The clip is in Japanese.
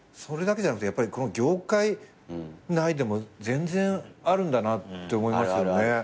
それだけじゃなくてこの業界内でも全然あるんだなって思いますよね。